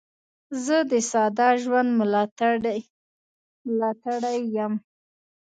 زه د ساده ژوند ملاتړی یم.